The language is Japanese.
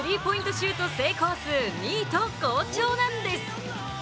シュート成功数２位と好調なんです。